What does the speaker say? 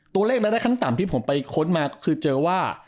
ตัวเลขในระดับขั้นนังต่ำที่ผมไปคดมาก็คือเจอว่า